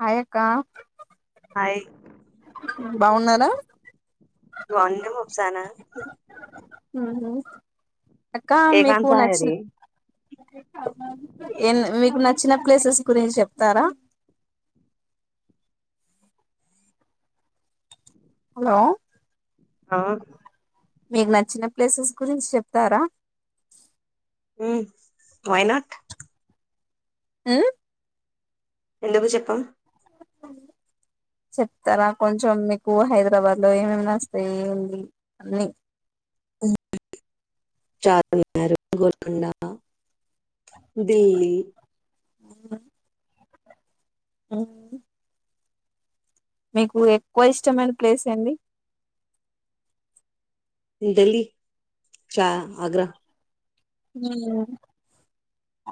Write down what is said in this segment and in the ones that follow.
Hi అక్క బాగున్నారా? బాన్నా ముఫ్సానా హలో అక్క మీకు సాయది నచ్చిన్ ఎన్ మీకు నచ్చిన ప్లేసెస్ గురించి చెప్తారా హలో ఆ మీకు నచ్చిన ప్లేసెస్ గురించి చెప్తారా ఉమ్ వైనాట్ మ్మ్ ఎందుకు చెప్పం చెప్తారా కొంచెం మీకు హైదరాబాద్ లో ఏమేం నచ్చుతాయి ఏందీ అన్ని మ్మ్ చార్మినార్ గోల్కొండ దిల్లీ మ్ మ్మ్ మీకు ఎక్కువ ఇష్టమైన ప్లేస్ ఏందీ దిల్లీ చా ఆగ్ర మ్మ్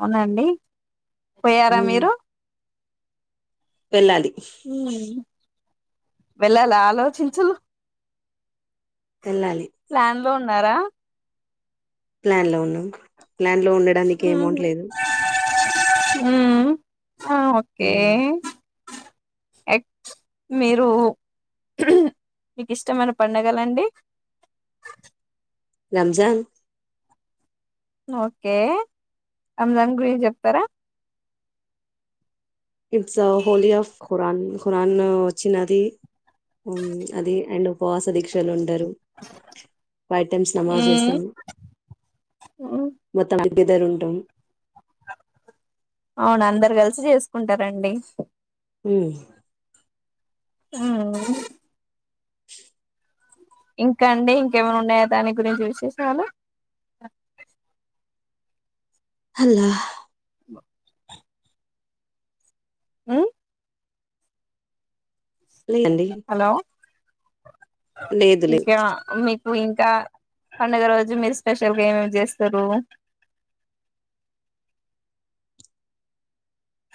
అవునండి పోయారా ఉమ్, మీరు వెళ్ళాలి మ్మ్ వెళ్లాలా ఆలోచించు ఎళ్ళాలి ప్లాన్ లో ఉన్నారా ప్లాన్ లో ఉన్నాం ప్లాన్లో ఉండడానికి అమౌంట్ లేదు మ్మ్ ఆ ఓకే ఉమ్, ఎక్ మీరు మీకుష్టమైన పండగలండి రంజాన్ ఓకే రంజాన్ గురించి చెప్తారా it's a holy of Quran Quran వచ్చినది ఉమ్ అది అండ్ ఉపవాస దీక్షలు ఉం టారు ఫై టైమ్స్ నమాజ్ చేస్తాము మొత్తం ఇద్దరుంటం అవును అందరు కలిసి చేసుకుంటారండి మ్మ్ ఆ ఆ ఇంకా అండి ఇంకేమన్నా ఉన్నాయా దాని గురించి విశేషాలు అల్లా ఆ లే అండి ఇంకే ఆ మీ నువ్వు ఇంకా పండుగ రోజు మీరు స్పెషల్గా ఏమేమి చేస్తారు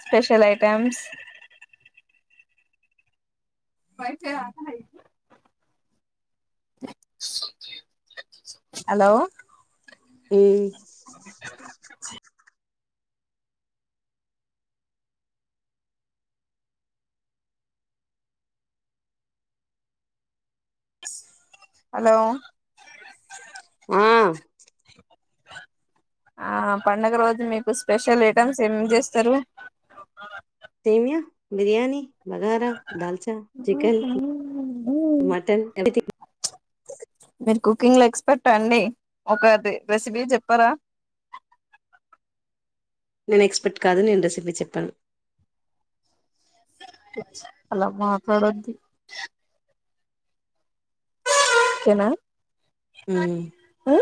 స్పెషల్ ఐటెమ్స్ మైతే హలో ఊ హలో ఊ ఆ పండుగ రోజు మీకు స్పెషల్ ఐటమ్స్ ఏమేమ్ చేస్తారు సేమ్యా బిర్యానీ బగారా దాల్చా చికెన్ మటన్ మీరు కుకింగ్ లో ఎక్స్పర్ట్ ఆ అండి ఒక రెసిపీ చెప్పారా నేను ఎక్స్పెక్ట్ కాదు నేను రెసిపీ చెప్పను అలా మాట్లాడద్దు ఓకే నా ఉ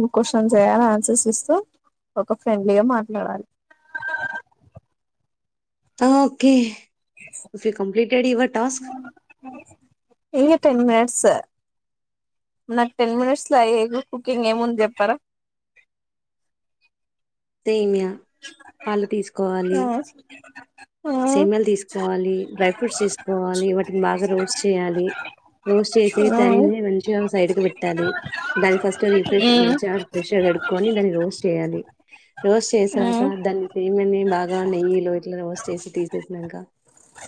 మ్ క్వశ్చన్ చేయాలి ఆన్సర్స్ ఇస్తూ ఒక ఫ్రెండ్లీగా మాట్లాడాలి okay if you completed your task a ten minutes sir నాకు టెన్ మినిట్స్ లో అయ్యే కుకింగ్ ఏముంది చెప్పారా సేమ్యా పళ్ళు తీసుకోవాలి సేమ్యాలు తీసుకోవాలి డ్రై ఫ్రూట్స్ తీసుకోవాలి వాటిని బాగా రోస్ట్ చేయాలి రోస్ట్ చేసి దాన్ని మంచిగా సైడ్ కి పెట్టాలి దాన్ని ఫస్ట్ రిఫ్రెష్ మంచిగా రిఫ్రెష్ గా కడుక్కని దాన్ని రోస్ట్ చేయాలి రోస్ట్ చే సాక దాన్ని చేయమని బాగా నెయ్యి లో ఇట్లా రోస్ట్ చేసి తీసేసాక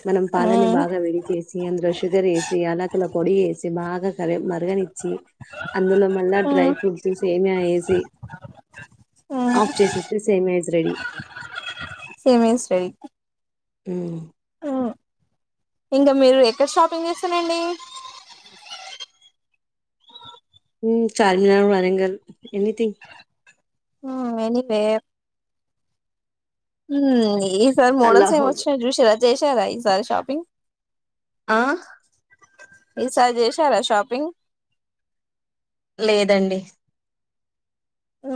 మనం పాలని బాగా విడి చేసి అందులో షుగర్ వేసి యాలకుల పొడి వేసి బాగా కరీ మరగనిచ్ అందులో మళ్ళా డ్రై ఫ్రూట్స్ సేమ్యా వేసి ఆఫ్ చేసేస్తే సేమ్యా ఈస్ రెడీ ఊ ఆ ఇంగా మీరు ఎక్కడ షాపింగ్ చేస్తరండి చార్మినార్ వరంగల్ ఎనిథింగ్ ఓ ఎనివేర్ మ్మ్ ని సార్ మోడల్స్ ఏమి అల్లాహో వచ్చినయి చూసారా చేసారా ఈసారి షాపింగ్ ఆ ఈసారి చేశారా షాపింగ్ లేదండి ఊ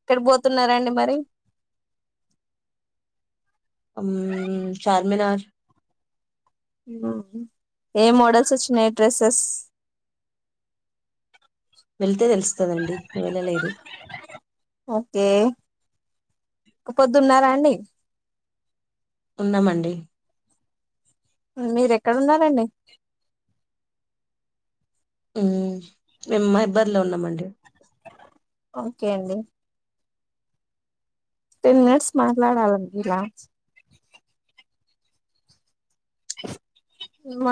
ఎక్కడ పోతున్నారండి మరి అహ్మ చార్మినార్ ఏ మోడల్స్ వచ్చినాయి డ్రెస్సెస్, వెళ్తే తెలుస్తుందండి వెళ్ళలేదు, ఓకే ఒక్క పొద్దున్నారా అండి, వున్నమండి, మీర ఎక్కడ ఉన్నారండి, మేము మహాబాద్ లో ఉన్నామండి ఓకే అండి టెన్ మినిట్స్ మాట్లాడాలా అంటా ఇలా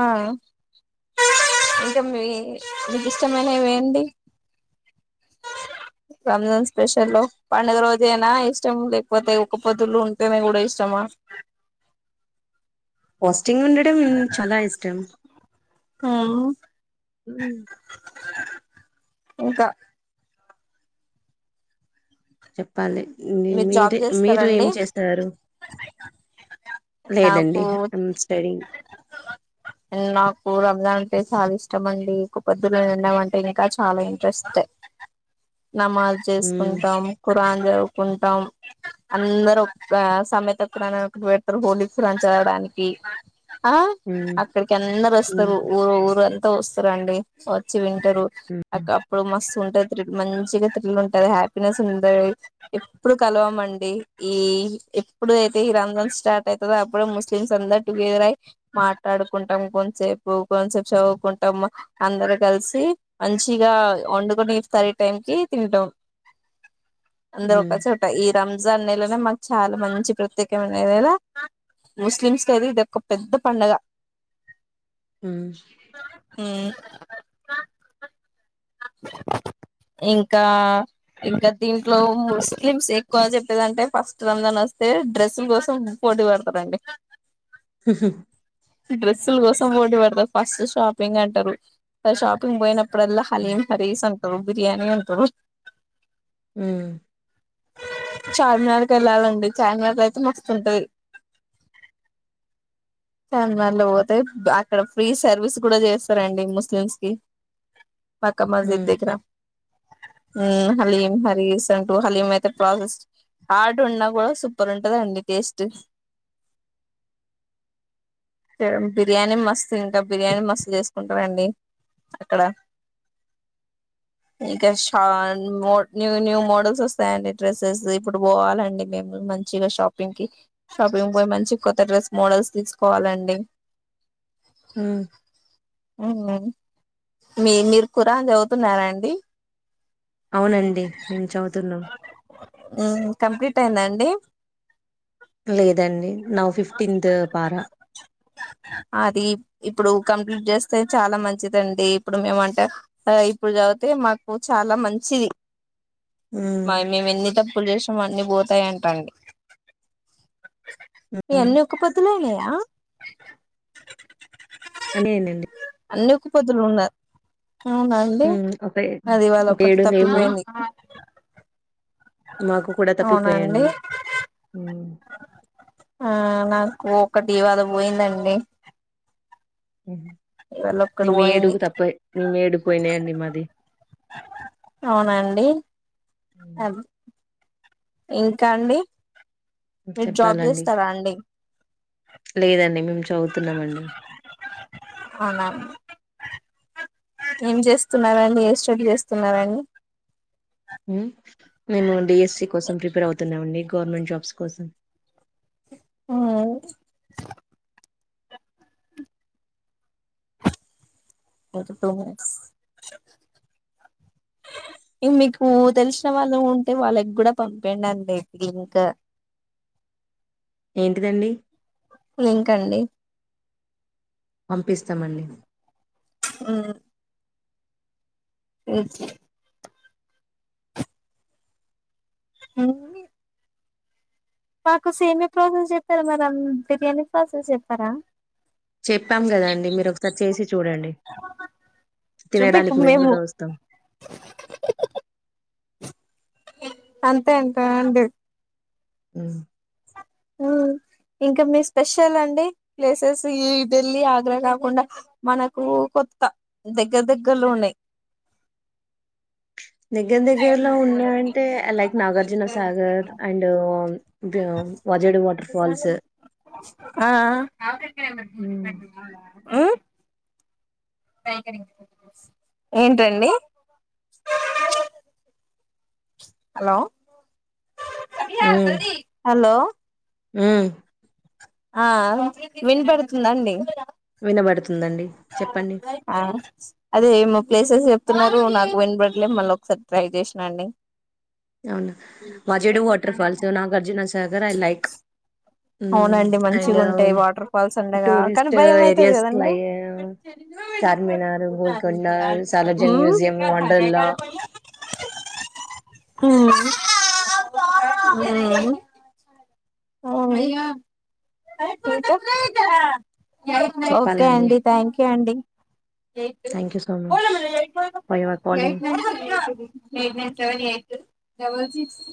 ఆ ఇంకా మీ మీకు ఇష్టమైనవి ఏంది. రంజాన్ స్పెషల్ లో పండుగ రోజనా ఇష్టం లేకపోతే ఉక్క పొద్దులు ఉంటేనే కూడా ఇష్టమా, వస్త స్టింగ్ ఉండడం చాలా ఇష్టం, అవు హు ఇంకా చెప్పు చెప్పాలే మీరు జాబ్ మీదే మీరు ఏం చేస్తారండి చేస్తారు. లేదండి నాకు ఐయాం స్టడీంగ్, నాకు రంజాన్ అంటే చాలా ఇష్టంమండి ఒక పొద్దులో ఉండడం అంటే ఇంకా చాలా ఇంట్రెస్ట్, నమాజ్ హ్మ్ చేసుకుంటాం కురాన్, [inaudible] కుంటాం అందరు ఒక సమమెత పురాన్ ఒకటి పెడతారు హోలీ పురాన్ చదడానికి, ఆ హ్మ్ అక్కడికి అందరూ హ్మ్ వస్తారు ఊరు ఊరుంత వస్తారండి వచ్చి వి రు ఆ హ్మ్ కప్పుడు మస్త ఉంటాయి త్రి మంచిగా త్రిల్ ఉంటది హ్యాపీనెస్ ఉంటది, ఎప్పుడు కలవమండి ఈ ఎప్పుడు అయితే ఈ రంజాన్ స్టార్ట్ అవుతుందో. అప్పుడు ముస్లిమ్స్ అందరు టుగెదర్ అయి మాట్లాడుకుంటాం. కొంసేపు కొసేపు చదువుకుంటాం అందరు. కలిసి మంచిగా వండుకొని ఇస్తార్ టైం కి తింటాం, అందరూ హ్మ్ ఒక చోట ఈ రమ్ రంజాన్ నెల నే మాకు చాలా మంచి ప్రత్యేకమైన నెల ముస్లిమ్స్ కు అది ఇది ఒక పెద్ద పండుగ, ఊ ఇంకా ఇంకా దీ ఇట్లో ముస్లిమ్స్ ఎక్కువ చెప్పేదింటే ఫస్ట్ రంజాన్ వస్తే డ్రెస్సుల కోసం పోటీ పడతారండి హుమ్మ్ డ్రెస్సుల కోసం పోటీ పడతారు ఫస్ట్ షాపింగ్ అంటారు ఆ షాపింగ్ పోయినప్పు, అప్పుడల్లా హలీం హారిస్ బిర్యానీ ఉంటారు ఊ చార్మినార్ కి వెళ్ళాలండి. చార్మినార్ లో అయితే మస్తుంటది చార్మినార్ లో పోతే అక్కడ ఫ్రీ సర్వీస్ కూడా చేస్తారండి ముస్లిమ్స్ కి, మక్కా మసీద్ హ్మ్ దగ్గర, హ్మ్ హలీం హలి రీసెంట్ హలీం అయితే ప్రాసెస్ ఆడ్ ఉన్నా కూడా సూపర్ ఉంటదండి టేస్టు ఇంకా బిర్యానీ మస్తు తింటాం బిర్యాని మస్త్ చేసుకుంటామండి ఇక్కడ ఇంకా శాన్ మో న్యూ న్యూ మోడల్స్ వస్తాయండి డ్రెస్సెస్ ఇప్పుడు పోవాలండి మేము మంచిగా షాపింగ్ కి షాపింగ్ కి పోయి మంచి కొత్త డ్రెస్ మోడల్స్ తీసుకోవాలండి హ్మ్ మీ మీరు కురాన్ చదువుతున్నారాండి అవునండి మేము చదువుతున్నాం కంప్లీట్ అయిందండి లేదు దాన్ని నా ఫిఫ్టీన్త్ పార అది ఇప్పుడు కంప్లీట్ చేస్తే చాలా మంచిదండి. ఇప్పుడు మేము అంటే ఇప్పుడు చదివితే మాకు చాలా మంచిది. హ్మ్ మాయి మేమెన్ని తప్ తప్పులు చేసినమో అన్ని పోతాయంటండి. మీ హ్మ్ అన్నీ ఒక్క పొద్దుల అయినాయా అదేనండి అన్ని ఒక పొద్దులో ఉన్నాయి హ్మ్ ఒక అది ఇవాళ్ళ ఒక ఒక్కటి ఏడు లేము తప్పిపోయింది మాకు కూడా అవునండి తప్పిపోయండి ఒక్కటి ఇవాళ పోయిందండి ఇవాళ ఒక్కటి మే పోయింది ఏడుగు తప్ప మేము ఏడుగుపోయినాయండి మాది అవునండి అది ఇంకా అండి మీరు జాబ్ చెప్పాలండి చేస్తారా అండి లేదండి మీ చదువుతున్నామండి. అవునా ఏం చేస్తున్నారండి ఏ స్టడీ చేస్తున్నారండి. మేము డి ఎస్సి కోసం ప్రిపేర్ అవుతున్నామండి గవర్నమెంట్ జాబ్స్ కోసం ఆ ఇ మీకు తెలిసిన వాళ్ళు ఉంటే వాళ్ళకి కూడా పంపండి అండి అయితే ఇంకా ఏంటిదండి ఇంకండి పంపిస్తామండి హ్మ్ తెజ హ్మ్ మాకు సేమ్యా ప్రాసెస్ చెప్పారా మరి అం బిర్యానీ ప్రాసెస్ చెప్పరా చెప్పాం కదా అండి మీరు ఒకసారి చేసి చూడండి తినడానికి మేము కూడా వస్తాం అంతే అంతే నండి హ్మ్ ఇంకా మీ స్పెషల్ అండి ప్లేసెస్ ఈ ఢిల్లీ ఆగ్రా కాకుండా మనకు కొత్త దగ్గర దగ్గర్లో ఉన్నాయి దగ్గర దగ్గరలో ఉన్నాయంటే like Nagarjuna Sagar and Vajedu water falls ఆ ఏంటండి హలో హలో ఉమ్ ఆ వినిపెడుతుందండి వినపడుతు తుందండి చెప్పండి ఆ అదే ఏమో ప్లేసెస్ చెప్తున్నారు నాకు వినబడలే మళ్ళీ ఒకసారి ట్రై చేసిన అండి అవునా వాజెడ waterfalls Nagarjuna Sagar I like హ్మ్. అవునండి మంచిగా అండ్ ఉంటాయి వాటర్ ఫాల్స్ ఉండగా కానీ టూరిస్ట్ భయం అయితది ఏరియాస్ కదండి లై చార్మినార్ గోల్కొండ సాలార్జంగ్ మ్యూజియం వండర్లా ఉమ్ ఉమ్ వో అ ఇంకా ఓకే చెప్పాలండి అండి థ్యాంక్ యూ అండి thank you so much double six